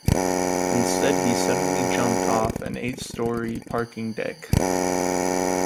Instead he suddenly jumped off an eighth story parking deck.